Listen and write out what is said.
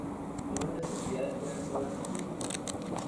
Nuevas necesidades crean nuevas angustias.